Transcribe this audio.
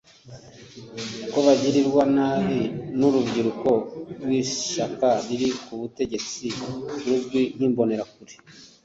ko bagirirwa nabi n’urubyiruko rw’ishyaka riri ku butegetsi ruzwi nk’Imbonerakure